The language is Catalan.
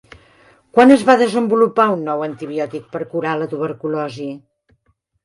Quan es va desenvolupar un nou antibiòtic per curar la tuberculosi?